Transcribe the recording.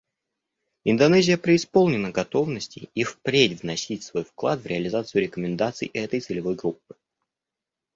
Индонезия преисполнена готовности и впредь вносить свой вклад в реализацию рекомендаций этой целевой группы.